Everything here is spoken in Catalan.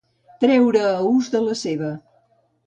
Treure a ús de la seva.